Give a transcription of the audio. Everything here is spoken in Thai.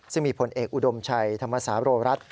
ซึ่งมีผลเอกอุดมชัยธรรมศาโรรัฐ